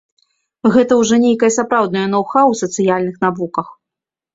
Гэта ўжо нейкае сапраўднае ноў-хаў у сацыяльных навуках.